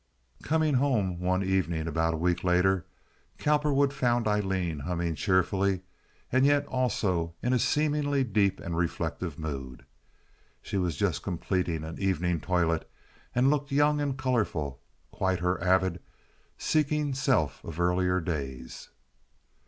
Coming home one evening about a week later, Cowperwood found Aileen humming cheerfully, and yet also in a seemingly deep and reflective mood. She was just completing an evening toilet, and looked young and colorful—quite her avid, seeking self of earlier days.